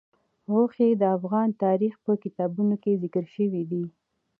غوښې د افغان تاریخ په کتابونو کې ذکر شوی دي.